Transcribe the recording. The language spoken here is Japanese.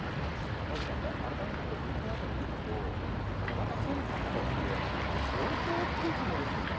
赤星さん、改めてＶＴＲで見ると、小型船舶とはいえ、相当、大きい船ですよね。